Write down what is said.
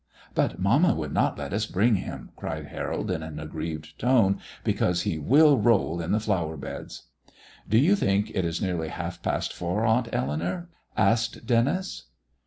"But mamma would not let us bring him," cried Harold in an aggrieved tone, "because he will roll in the flower beds." "Do you think it is nearly half past four, Aunt Eleanour?" asked Denis.